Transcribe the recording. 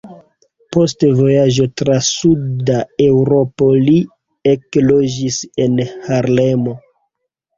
Post vojaĝo tra Suda Eŭropo li ekloĝis en Harlemo.